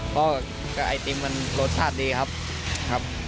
เพราะไอศครีมมันรสชาติดีครับ